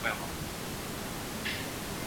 شریف د معاش په موندلو کې ستونزه لري.